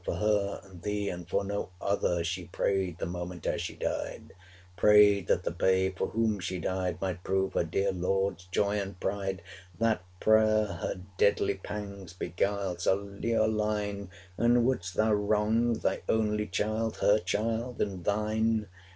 For her, and thee, and for no other, She prayed the moment ere she died: Prayed that the babe for whom she died, 630 Might prove her dear lord's joy and pride! That prayer her deadly pangs beguiled, Sir Leoline! And wouldst thou wrong thy only child, Her child and thine?